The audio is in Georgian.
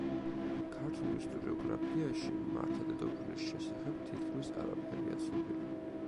ქართულ ისტორიოგრაფიაში მართა დედოფლის შესახებ თითქმის არაფერია ცნობილი.